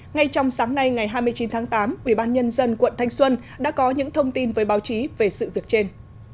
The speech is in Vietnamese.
ngay trong sáng nay ngày hai mươi chín tháng tám ubnd quận thanh xuân đã có những thông tin với báo chí về sự việc trên